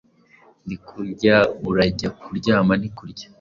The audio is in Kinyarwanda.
Ntikurya ! urajya ku ryama!ntikurya !